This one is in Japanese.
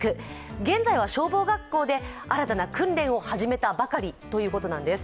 現在は消防学校で、新たな訓練を始めたばかりということなんです。